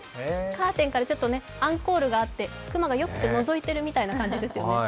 カーテンからアンコールがあって、熊がのぞいているような感じですよね。